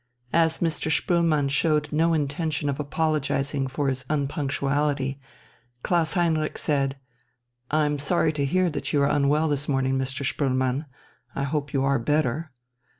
As Mr. Spoelmann showed no intention of apologizing for his unpunctuality, Klaus Heinrich said: "I am sorry to hear that you are unwell this morning, Mr. Spoelmann. I hope you are better."